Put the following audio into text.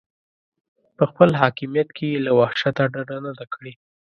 په خپل حاکمیت کې یې له وحشته ډډه نه ده کړې.